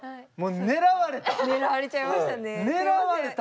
狙われた。